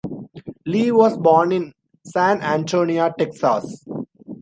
Lee was born in San Antonio, Texas.